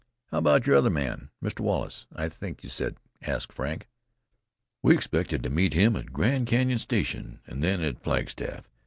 "How about your other man Mr. Wallace, I think you said?" asked Frank. "We expected to meet him at Grand Canyon Station, and then at Flagstaff.